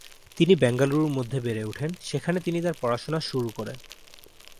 তিনি বেঙ্গালুরুর মধ্যে বেড়ে ওঠেন, সেখানে তিনি তার পড়াশোনা শুর করেন।